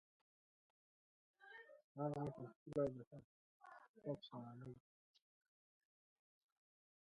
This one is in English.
All proceeds will go towards the Queensland Floods and New Zealand Earthquake Appeal.